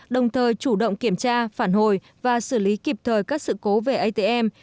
đồng thời chủ động kiểm tra phản hồi và xử lý kịp thời các sự cố về atm